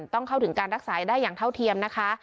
ต้องเข้าถึงการรักษาได้อย่างเท่าเทียมนะคะ